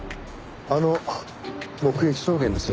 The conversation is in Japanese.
あの目撃証言です。